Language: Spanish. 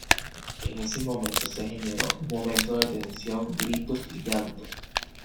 En ese momento se generó un momento de tensión, gritos y llanto.